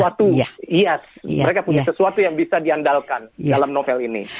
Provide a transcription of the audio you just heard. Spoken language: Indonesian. mereka punya sesuatu yang bisa diandalkan dalam novel ini